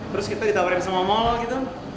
terus kita ditawarin sama mall gitu